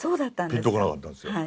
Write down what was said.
ピンと来なかったんですよ。